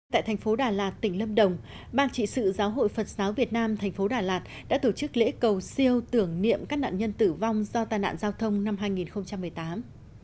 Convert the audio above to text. tại thành phố đà lạt tỉnh lâm đồng ban trị sự giáo hội phật giáo việt nam thành phố đà lạt đã tổ chức lễ cầu siêu tưởng niệm các nạn nhân tử vong do tai nạn giao thông năm hai nghìn một mươi tám